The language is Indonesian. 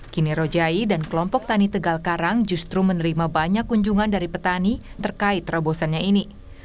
kini rojai dan kelompok tani tegal karang justru menerima banyak kunjungan dari petani terkait terobosannya ini